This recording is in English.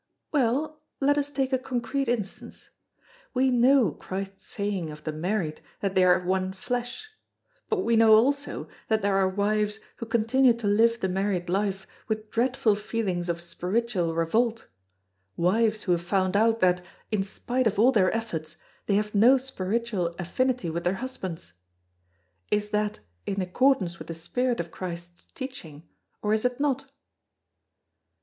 "Well, let us take a concrete instance. We know Christ's saying of the married that they are one flesh! But we know also that there are wives who continue to live the married life with dreadful feelings of spiritual revolt wives who have found out that, in spite of all their efforts, they have no spiritual affinity with their husbands. Is that in accordance with the spirit of Christ's teaching, or is it not?"